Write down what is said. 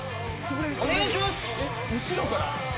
お願いします！